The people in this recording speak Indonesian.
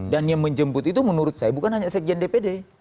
dan yang menjemput itu menurut saya bukan hanya sekjen dpd